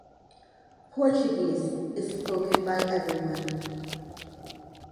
Portuguese is spoken by everyone.